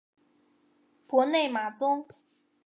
博内马宗。